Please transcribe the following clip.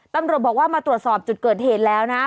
ตำรวจบอกว่ามาตรวจสอบจุดเกิดเหตุแล้วนะ